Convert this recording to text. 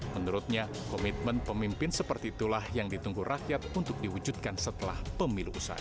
menurutnya komitmen pemimpin seperti itulah yang ditunggu rakyat untuk diwujudkan setelah pemilu usai